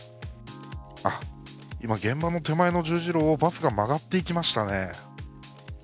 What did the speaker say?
あっ、今、現場の手前の十字路を曲がっていましたね。